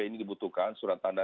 ini dibutuhkan surat tanda